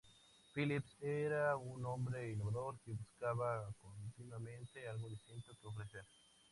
Phillips era un hombre innovador que buscaba continuamente algo distinto que ofrecer.